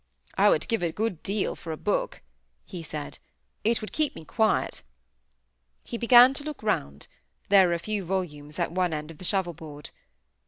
"I would give a good deal for a book," he said. "It would keep me quiet." He began to look round; there were a few volumes at one end of the shovel board.